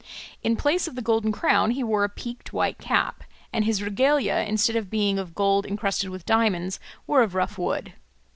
In place of the golden crown he wore a peaked white cap, and his regalia, instead of being of gold encrusted with diamonds, were of rough wood.